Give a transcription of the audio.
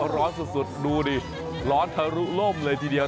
ร้อนสุดดูดิร้อนทะลุล่มเลยทีเดียว